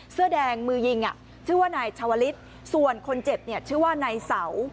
เสื้อแดงมือยิงชื่อว่านายชาวลิศส่วนคนเจ็บเนี่ยชื่อว่านายเสา